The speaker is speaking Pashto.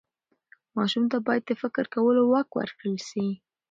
ماشوم ته باید د فکر کولو واک ورکړل سي.